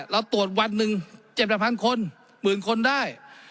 เราตรวจวันหนึ่ง๗๐๐๐คน๑๐๐๐๐คนได้